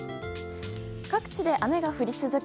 各地で雨が降り続き